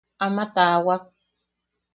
Ama taawak.